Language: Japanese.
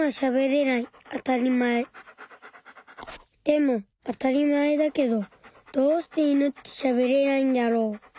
でもあたりまえだけどどうしてイヌってしゃべれないんだろう？